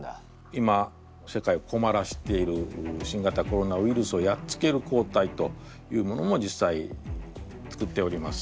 今世界をこまらせている新型コロナウイルスをやっつける抗体というものも実際作っております。